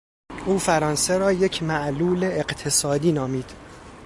او فرانسه را یک معلول اقتصادی نامید.